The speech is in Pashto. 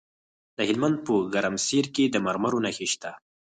د هلمند په ګرمسیر کې د مرمرو نښې شته.